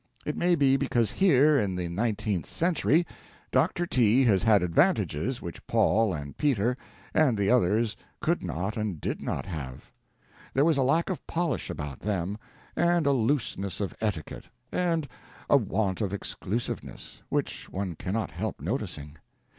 It may be because here, in the nineteenth century, Dr. T. has had advantages which Paul and Peter and the others could not and did not have. There was a lack of polish about them, and a looseness of etiquette, and a want of exclusiveness, which one cannot help noticing.